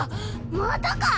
またか！